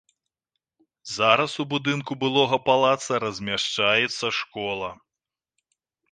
Зараз у будынку былога палаца размяшчацца школа.